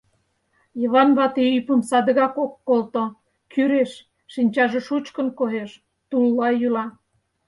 Йыван вате ӱпым садыгак ок колто, кӱреш, шинчаже шучкын коеш, тулла йӱла.